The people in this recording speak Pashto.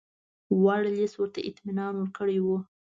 ورلسټ ورته اطمینان ورکړی وو.